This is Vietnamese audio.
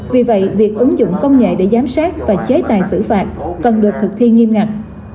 vì vậy việc ứng dụng công nghệ để giám sát và chế tài xử phạt cần được thực thi nghiêm ngặt